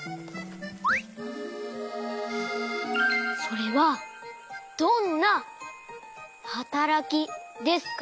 それはどんなはたらきですか？